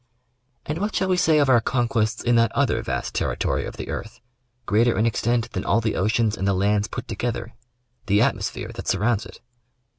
And what shall we say of our conquests in that other vast ter ritory of the earth, greater in extent than all the oceans and the lands put together — the atmosphere that surrounds it.